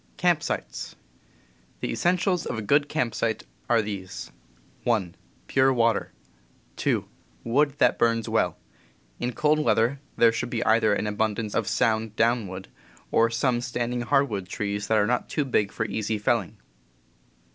P <;,. The essentials of a good camp site ^* are these: 1. Pure water. 2. Wood that burns well. In cold weather there should be either an abundance of sound downwood or some standing hardwood trees that are not too big for easy felling.